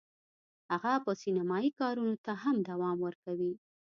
هغه به سینمایي کارونو ته هم دوام ورکوي